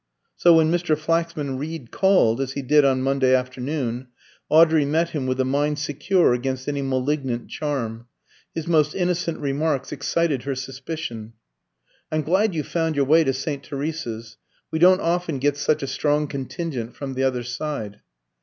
So when Mr. Flaxman Reed called, as he did on Monday afternoon, Audrey met him with a mind secure against any malignant charm. His most innocent remarks excited her suspicion. "I'm glad you've found your way to St. Teresa's. We don't often get such a strong contingent from the other side."